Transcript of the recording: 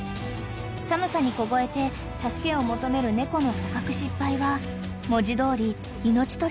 ［寒さに凍えて助けを求める猫の捕獲失敗は文字通り命取りとなる］